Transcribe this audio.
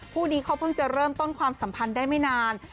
คู่นี้เขาเพิ่งจะเริ่มต้นความสัมพันธ์ได้ไม่นาน